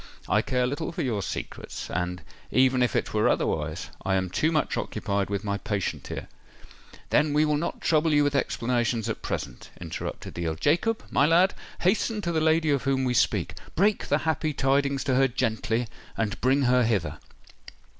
"I care little for your secrets; and, even if it were otherwise, I am too much occupied with my patient here——" "Then we will not trouble you with explanations at present," interrupted the Earl. "Jacob, my lad, hasten to the lady of whom we speak—break the happy tidings to her gently—and bring her hither."